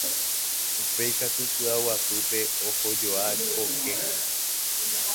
Upéi katu py'aguapýpe ohojoa oke.